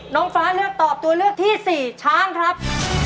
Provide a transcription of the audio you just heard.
น้องฟ้าเลือกตอบตัวเลือกที่สี่ช้างครับ